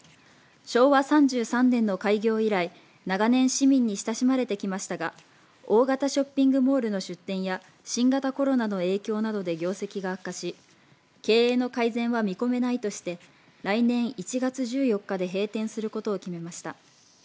昭和３３年の開業以来長年市民に親しまれてきましたが大型ショッピングモールの出店や新型コロナの影響などで業績が悪化し経営の改善は見込めないとして来年１月１４日で閉店することを決めました。